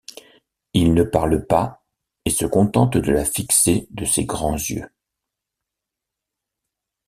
Il ne parle pas et se contente de la fixer de ses grands yeux.